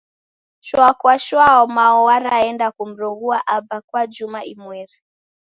Shwa kwa shwa Mao waraenda kumroghua Aba kwa juma imweri.